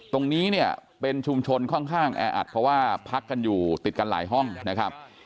ตรงนี้เนี่ยเป็นชุมชนค่อนข้างแออัดเพราะว่าพักกันอยู่ติดกันหลายห้องนะครับ